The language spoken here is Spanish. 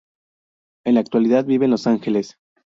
En la actualidad, vive en Los Ángeles.